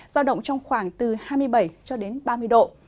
giao động trong khoảng hai mươi bảy ba mươi độ